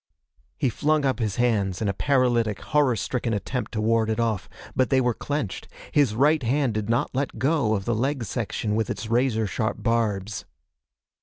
He flung up his hands in a paralytic, horror stricken attempt to ward it off. But they were clenched. His right hand did not let go of the leg section with its razor sharp barbs.